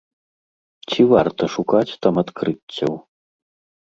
Ці варта шукаць там адкрыццяў?